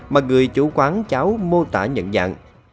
mà người chủ quán cháu mô tả nhận dạng